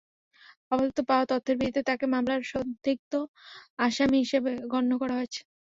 আপাতত পাওয়া তথ্যের ভিত্তিতে তাঁকে মামলার সন্দিগ্ধ আসামি হিসেবে গণ্য করা হচ্ছে।